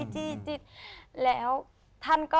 จิทเริ่มที